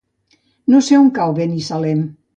No sé on cau Binissalem.